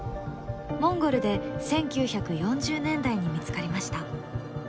モンゴルで１９４０年代に見つかりました。